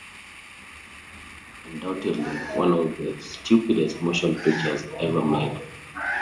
Kirk called the film undoubtedly one of the stupidest motion pictures ever made.